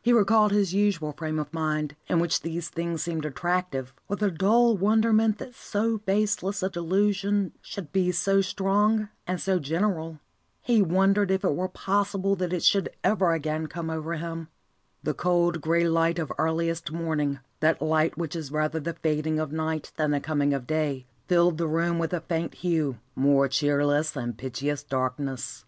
He recalled his usual frame of mind, in which these things seemed attractive, with a dull wonderment that so baseless a delusion should be so strong and so general. He wondered if it were possible that it should ever again come over him. The cold, grey light of earliest morning, that light which is rather the fading of night than the coming of day, filled the room with a faint hue, more cheerless than pitchiest darkness.